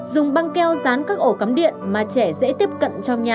dùng băng keo dán các ổ cắm điện mà trẻ dễ tiếp cận trong nhà